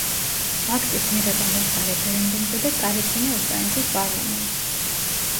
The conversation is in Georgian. აქტის მიღება მოხდა რეფერენდუმზე და წარედგინა ესპანეთის პარლამენტს.